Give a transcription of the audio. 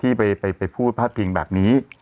ที่ไปไปไปพูดพลาดเพียงแบบนี้